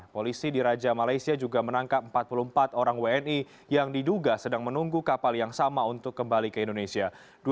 polisi di raja malaysia juga menangkap empat puluh empat orang wni yang diduga sedang menunggu kapal yang sama untuk kembali ke indonesia